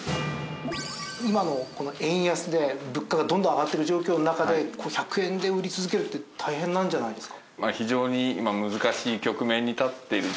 今のこの円安で物価がどんどん上がってる状況の中で１００円で売り続けるって大変なんじゃないですか？